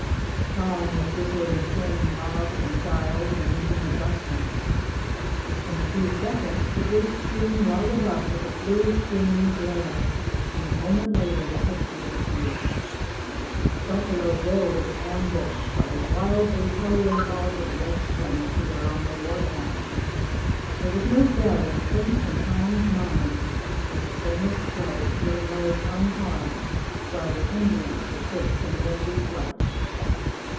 Tom was busily turning knobs and dials and making adjustments. In a few seconds the big screen lighted up with a bluish green glare and a moment later the pictures appeared. Buffalo Bill was ambushed by a wildly howling mob of Redskins who were on the war path. There was no doubt in Twink's and Tom's minds that the famous scout would emerge unharmed while the Indians would take to noisy flight.